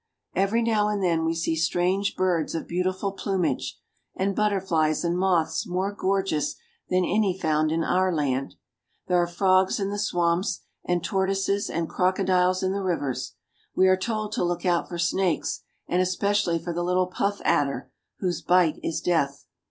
Every now and then we see strange birds of beautiful plumage, and butterflies and moths more gorgeous than any found in our land. There are frogs in the swamps and tortoises and crocodiles in the rivers. We are told to look out for snakes, and especially for the little puflf adder, whose bite is death.